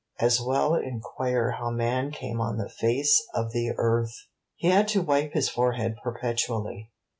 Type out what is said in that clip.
As well inquire how man came on the face of the earth. He had to wipe his forehead perpetually.